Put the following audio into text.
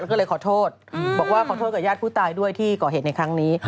แล้วก็เลยขอโทษบอกว่าขอโทษกับญาติผู้ตายด้วยที่ก่อเหตุในครั้งนี้